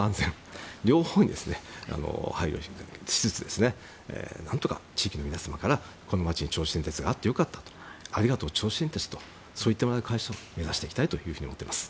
この両方に配慮しつつ何とか地域の皆様からこの街に銚子電鉄があってよかったありがとう、銚子電鉄とそう言ってもらえる会社を目指していきたいと思っております。